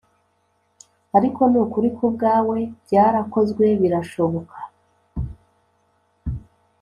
ariko nukuri kubwawe byarakozwe birashoboka."